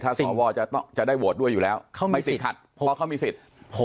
ถ้าสวจะได้โหวตด้วยอยู่แล้วไม่ติดขัดเพราะเขามีสิทธิ์